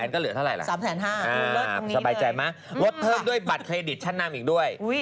ก็เหลือเท่าไหร่๓๕๐๐บาทสบายใจไหมลดเพิ่มด้วยบัตรเครดิตชั้นนำอีกด้วย